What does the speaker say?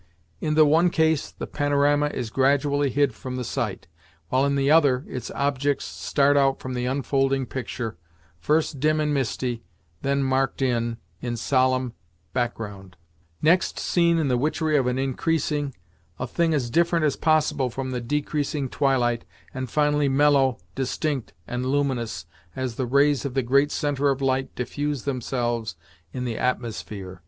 In the one case the panorama is gradually hid from the sight, while in the other its objects start out from the unfolding picture, first dim and misty; then marked in, in solemn background; next seen in the witchery of an increasing, a thing as different as possible from the decreasing twilight, and finally mellow, distinct and luminous, as the rays of the great centre of light diffuse themselves in the atmosphere.